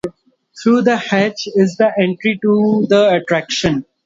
Through the hatch is the entry to the attraction.